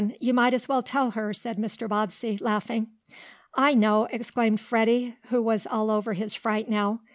You might as well tell her," said Mr. Bobbsey, laughing. "I know!" exclaimed Freddie, who was all over his fright now.